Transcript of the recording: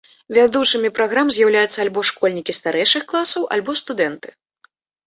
Вядучымі праграм з'яўляюцца альбо школьнікі старэйшых класаў, альбо студэнты.